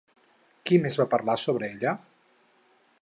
Qui més va parlar sobre ella?